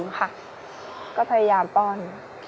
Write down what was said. ก็พยายามป้อน